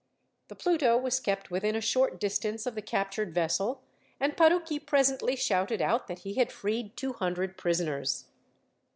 The Pluto was kept within a short distance of the captured vessel, and Parucchi presently shouted out that he had freed two hundred prisoners.